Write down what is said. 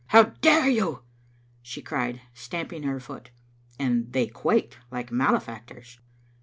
How dare you!" she cried, stamping her foot; and they quaked like malefactors.